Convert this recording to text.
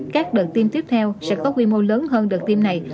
các đợt tiêm tiếp theo sẽ có quy mô lớn hơn đợt tiêm này